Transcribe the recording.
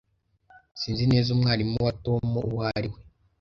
Sinzi neza umwarimu wa Tom uwo ari we.